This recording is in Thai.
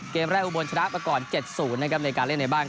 เกมแรกอุบลชนะก่อน๗๐ในการเล่นในบ้าง